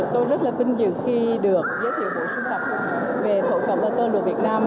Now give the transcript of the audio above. tôi rất là vinh dự khi được giới thiệu bộ sưu tập về thổ cầm và tơ lụa việt nam